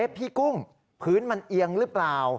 พี่กุ้งพื้นมันเอียงหรือเปล่า